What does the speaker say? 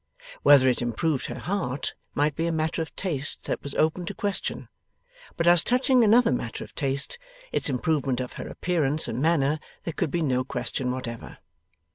Whether it improved her heart might be a matter of taste that was open to question; but as touching another matter of taste, its improvement of her appearance and manner, there could be no question whatever.